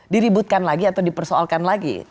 diributkan lagi atau dipersoalkan lagi